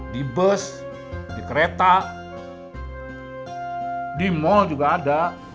di bus di kereta di mal juga ada